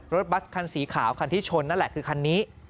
บัสคันสีขาวคันที่ชนนั่นแหละคือคันนี้